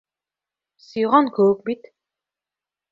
Сиған кеүек бит.